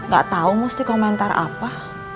gak tau mesti komentar apa